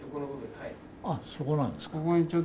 そこなんですか。